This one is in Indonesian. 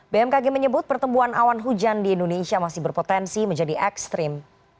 bmkg menyebut pertemuan awan hujan di indonesia masih berpotensi menjadi ekstrim